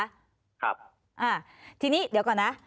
ครับอ่าทีนี้เดี๋ยวก่อนนะ